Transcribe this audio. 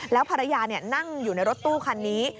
แล้วภรรยานั่งอยู่ในรถตู้คันนี้